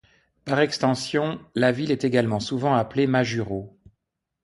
Par extension, la ville est également souvent appelée Majuro.